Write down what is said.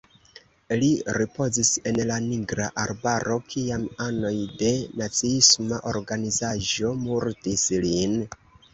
Li ripozis en la Nigra Arbaro, kiam anoj de naciisma organizaĵo murdis lin.